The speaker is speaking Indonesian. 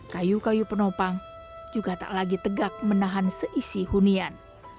kayu kayu penopang juga tak lagi tegak menahan seisi hunian